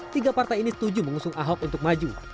tiga partai ini setuju mengusung ahok untuk maju